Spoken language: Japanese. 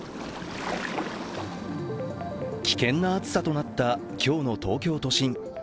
危険な暑さとなった今日の東京都心。